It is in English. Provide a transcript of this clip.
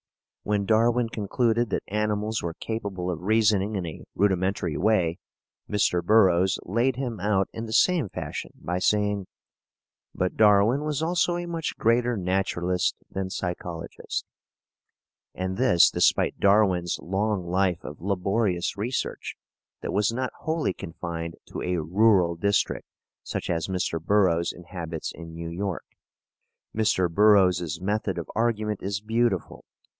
When Darwin concluded that animals were capable of reasoning in a rudimentary way, Mr. Burroughs laid him out in the same fashion by saying: "But Darwin was also a much greater naturalist than psychologist" and this despite Darwin's long life of laborious research that was not wholly confined to a rural district such as Mr. Burroughs inhabits in New York. Mr. Burroughs's method of argument is beautiful.